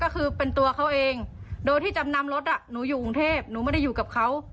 ก็คือเป็นตัวเขาเองโดยที่จำนำรถหนูอยู่กรุงเทพหนูไม่ได้อยู่กับเขา